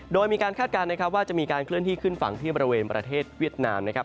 โดยมีการคาดการณ์นะครับว่าจะมีการเคลื่อนที่ขึ้นฝั่งที่บริเวณประเทศเวียดนามนะครับ